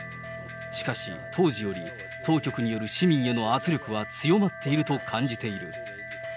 しかし、当時より当局による市民への圧力は強まっていると感じている。